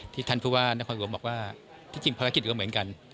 ท่านผู้ว่านครหลวงบอกว่าที่จริงภารกิจก็เหมือนกัน